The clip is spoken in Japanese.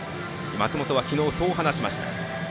松本は昨日そう話しました。